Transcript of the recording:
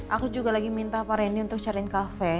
aku juga lagi minta pak randy untuk cariin cafe